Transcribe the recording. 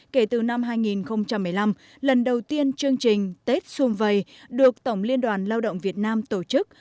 kể từ năm hai nghìn một mươi năm lần đầu tiên chương trình tết xuân vầy được tổng liên đoàn lao động việt nam tổ chức